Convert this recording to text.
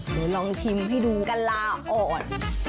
เดี๋ยวลองชิมให้ดูกะลาอ่อน